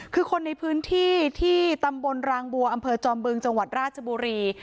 คือคนในพื้นที่ที่ตำบลรางบัวอำเภอจอมบึงจังหวัดราชบุรี